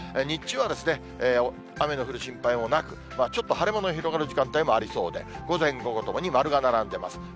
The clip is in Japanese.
日中は雨の降る心配もなく、ちょっと晴れ間の広がる時間帯もありそうで、午前、午後ともに丸が並んでます。